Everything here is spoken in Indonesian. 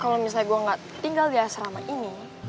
kalo misalnya gua ga tinggal di asrama ini